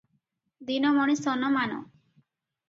ଦିନମଣି ସନମାନ?